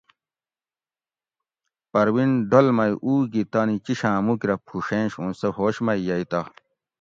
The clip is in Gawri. پروین ڈل مئی اُو گھی تانی چیشاۤں مُوک رہ پُھوڛینش اوں سہ ہوش مئی یئی تو